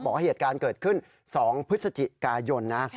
บอกว่าเหตุการณ์เกิดขึ้น๒พฤศจิกายนนะ